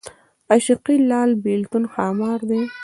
عاشقي لال بېلتون ښامار دی